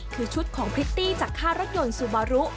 คือชุดของพริตตี้จากค่ารถยนต์ซูบารุ